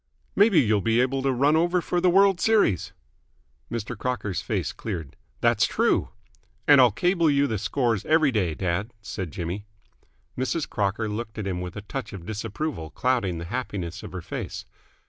"Maybe you'll be able to run over for the World's Series?" Mr. Crocker's face cleared. "That's true." "And I'll cable you the scores every day, dad," said Jimmy. Mrs. Crocker looked at him with a touch of disapproval clouding the happiness of her face.